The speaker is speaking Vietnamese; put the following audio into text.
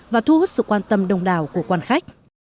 và thu hút sự quan tâm đông đảo của quan khách